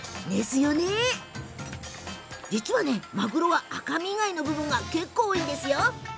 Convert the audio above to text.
実はマグロは赤身以外の部分が結構、多いんです。